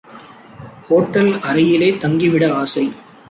Hotel அறையிலே தங்கிவிட ஆசை.